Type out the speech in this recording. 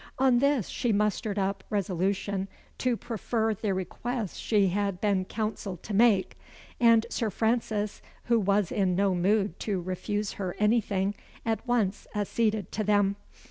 On this she mustered up resolution to prefer the requests she had been counselled to make; and Sir Francis, who was in no mood to refuse her anything, at once acceded to them.